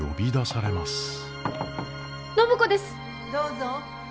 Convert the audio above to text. ・どうぞ。